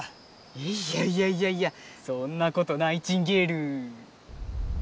いやいやいやいやそんなことナイチンゲール。